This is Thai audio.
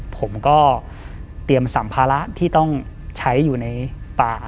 ผมก็เตรียมสัมภาระที่ต้องใช้อยู่ในป่า